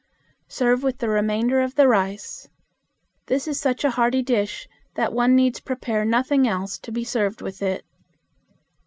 Serve with the remainder of the rice. This is such a hearty dish that one needs prepare nothing else to be served with it.